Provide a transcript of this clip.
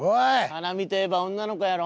花見といえば女の子やろ。